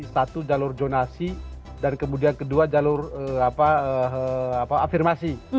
satu jalur jonasi dan kemudian kedua jalur afirmasi